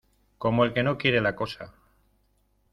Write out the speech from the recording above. como el que no quiere la cosa.